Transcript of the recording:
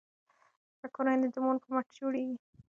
ښه کورنۍ د مور په مټ جوړیږي.